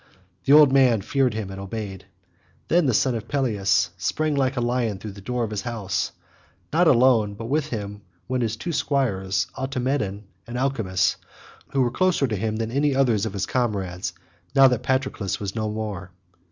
The old man feared him and obeyed. Then the son of Peleus sprang like a lion through the door of his house, not alone, but with him went his two squires Automedon and Alcimus who were closer to him than any others of his comrades now that Patroclus was no more.